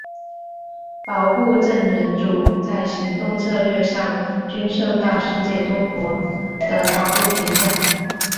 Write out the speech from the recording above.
保护证人组在行动策略上均受到世界多国的高度评价。